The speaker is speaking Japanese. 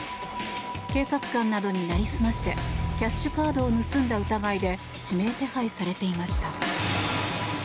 警察官などになりすましてキャッシュカードを盗んだ疑いで指名手配されていました。